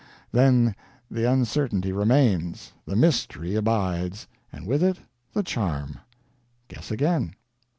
Then the uncertainty remains, the mystery abides, and with it the charm. Guess again.